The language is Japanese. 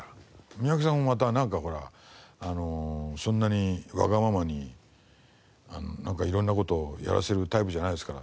三宅さんもまたなんかほらそんなにわがままに色んな事をやらせるタイプじゃないですから。